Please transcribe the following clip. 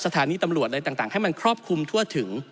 สถานีตำรวจอะไรต่างให้มันครอบคลุมทั่วถึง